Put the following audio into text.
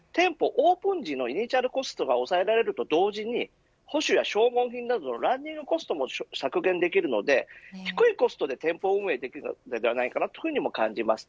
オープン時のイニシャルコストが抑えられると同時に保守や消耗品のランニングコストも削減できるので低いコストで店舗運営ができると感じます。